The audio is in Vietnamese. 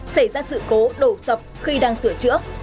xảy ra sự cố đổ sập khi đang sửa chữa